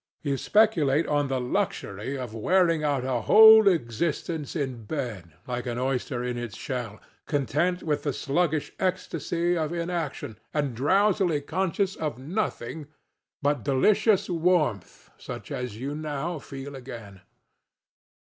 You speculate on the luxury of wearing out a whole existence in bed like an oyster in its shell, content with the sluggish ecstasy of inaction, and drowsily conscious of nothing but delicious warmth such as you now feel again.